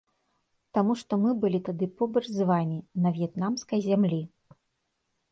Таму што мы былі тады побач з вамі на в'етнамскай зямлі.